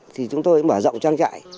thì chúng tôi cũng bỏ rộng trang trại